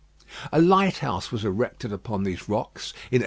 A lighthouse was erected upon these rocks in 1862.